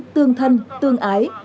tương thân tương ái